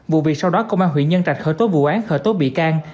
vụ việc sau đó công an huyện nhân trạch khởi tố vụ án khởi tố bị can